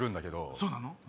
そうなの？